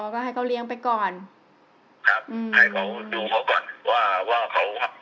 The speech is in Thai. ก็ให้เขาเลี้ยงไปก่อนครับอืมให้เขาดูเขาก่อนว่าว่าเขา